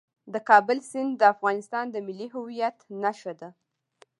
د کابل سیند د افغانستان د ملي هویت نښه ده.